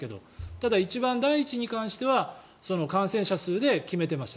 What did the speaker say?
ただ、一番、第一に関しては感染数で決めていました。